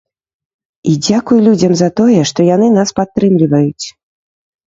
І дзякуй людзям за тое, што яны нас падтрымліваюць.